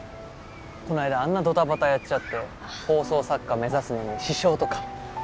この間あんなドタバタやっちゃって放送作家目指すのに支障とか。